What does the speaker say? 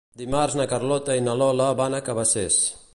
Dimarts na Carlota i na Lola van a Cabacés.